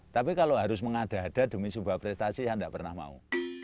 tapi kalau harus mengada ada demi sebuah prestasi yang tidak pernah mau